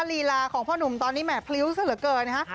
ลีลาของพ่อหนุ่มตอนนี้แหม่นพายุเสร็จเกินนะฮะ